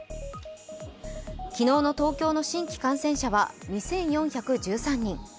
昨日の東京の新規感染者は２４１３人。